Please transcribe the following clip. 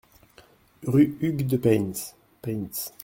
Rue Hugues de Payns, Payns